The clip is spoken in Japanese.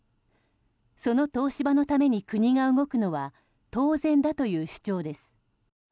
その東芝のために国が動くのは当然だという主張です。